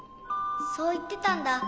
そういってたんだ。